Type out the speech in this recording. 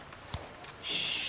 よし。